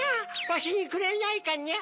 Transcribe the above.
わしにくれないかにゃ！